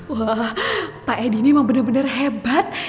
wah pak edi ini memang benar benar hebat